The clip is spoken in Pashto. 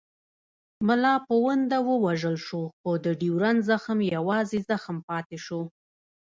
ملا پونده ووژل شو خو د ډیورنډ زخم یوازې زخم پاتې شو.